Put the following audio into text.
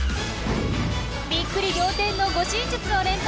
びっくり仰天の護身術を連発！